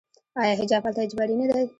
آیا حجاب هلته اجباري نه دی؟